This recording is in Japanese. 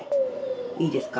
いいですか？